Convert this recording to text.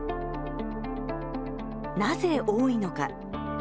なぜ多いのか。